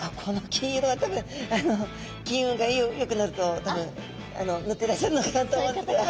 あっこの金色は多分金運がよくなるとぬっていらっしゃるのかなと思うんですけど。